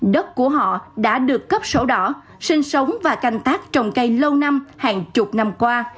đất của họ đã được cấp sổ đỏ sinh sống và canh tác trồng cây lâu năm hàng chục năm qua